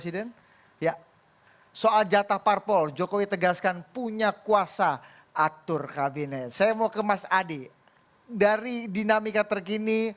dari dinamika terkini